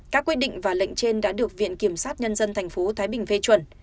các quyết định và lệnh trên đã được viện kiểm sát nhân dân thành phố thái bình phê chuẩn